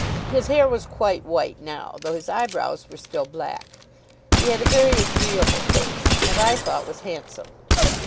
His hair was quite white now, though his eyebrows were still black. He had a very agreeable face, and, I thought, was handsome.